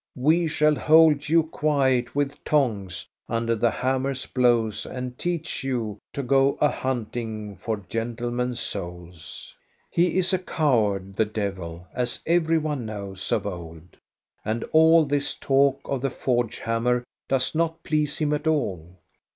We shall hold you quiet with tongs under the hammer's blows and teach you to go a hunting for gentlemen's souls. " He is a coward, the devil, as every one knows of old, and all this talk of the forge hammer does not please him at all.